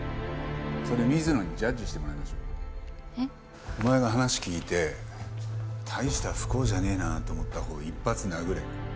それ水野にジャッジしてもらいましょう。えっ？お前が話聞いて大した不幸じゃねえなと思ったほうを１発殴れ。